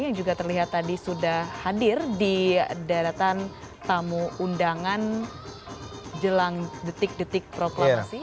yang juga terlihat tadi sudah hadir di daratan tamu undangan jelang detik detik proklamasi